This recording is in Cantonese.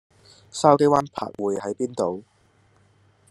筲箕灣柏匯喺邊度？